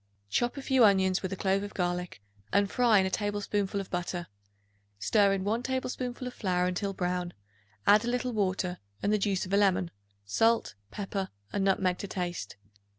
Chop a few onions with a clove of garlic and fry in a tablespoonful of butter. Stir in 1 tablespoonful of flour until brown; add a little water and the juice of a lemon, salt, pepper and nutmeg to taste.